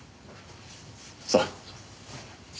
さあ。